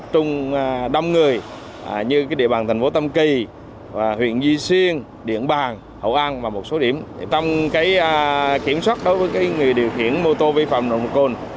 trong kiểm soát đối với người điều khiển mô tô vi phạm nồng độ cồn